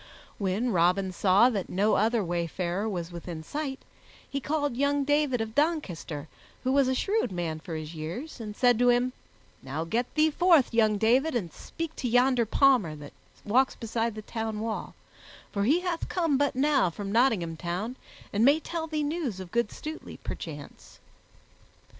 When Robin saw that no other wayfarer was within sight, he called young David of Doncaster, who was a shrewd man for his years, and said to him, "Now get thee forth, young David, and speak to yonder palmer that walks beside the town wall, for he hath come but now from Nottingham Town, and may tell thee news of good Stutely, perchance."